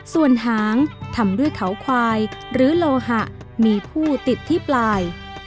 ส่วนหางทำด้วยเขาควายหรือโลหะมีผู้ติดที่ปลาย